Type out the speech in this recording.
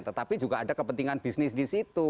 tetapi juga ada kepentingan bisnis di situ